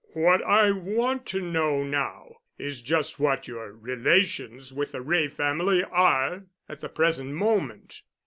What I want to know now is just what your relations with the Wray family are at the present moment.